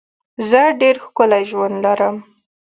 زه ډېر ښکلی ژوند لرم.